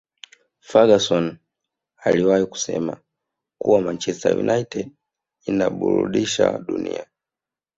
ferguson aliwahi kusema kuwa manchester united inaburudisha dunia